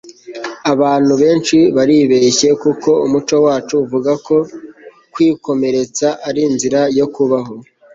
abantu benshi baribeshye kuko umuco wacu uvuga ko kwikomeretsa ari inzira yo kubaho